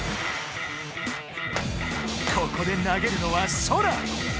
ここでなげるのはソラ。